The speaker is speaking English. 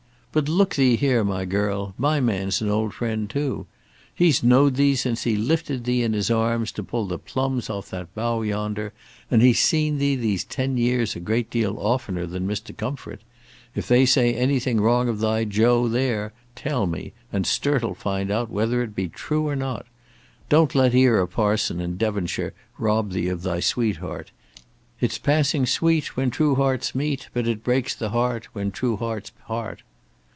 But, look thee here, my girl; my man's an old friend too. He's know'd thee since he lifted thee in his arms to pull the plums off that bough yonder; and he's seen thee these ten years a deal oftener than Mr. Comfort. If they say anything wrong of thy joe there, tell me, and Sturt 'll find out whether it be true or no. Don't let ere a parson in Devonshire rob thee of thy sweetheart. It's passing sweet, when true hearts meet. But it breaks the heart, when true hearts part."